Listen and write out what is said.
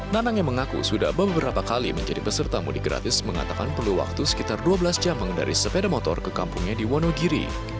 nanang yang mengaku sudah beberapa kali menjadi peserta mudik gratis mengatakan perlu waktu sekitar dua belas jam mengendari sepeda motor ke kampungnya di wonogiri